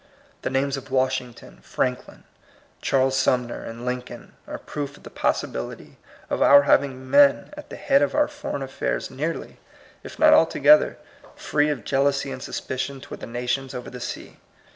The names of Washington, Franklin, Charles Sumner, and Lincoln 'are proof of the pos sibility of our having men at the head of our foreign affairs nearly, if not altogether, free of jealousy and suspicion toward the nations over the sea.